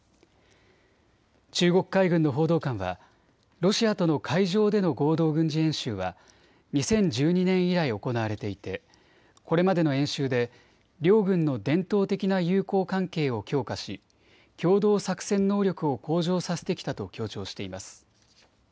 中国海軍の報道官はロシアとの海上での合同軍事演習は２０１２年以来、行われていてこれまでの演習で両軍の伝統的な友好関係を強化し共同作戦能力を向上させてきたと強調しています。